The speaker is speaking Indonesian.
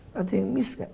tadi yang miss nggak